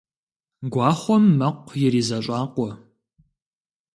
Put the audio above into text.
Гуахъуэм мэкъу иризэщӀакъуэ.